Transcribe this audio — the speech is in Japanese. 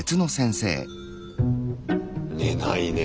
寝ないねえ。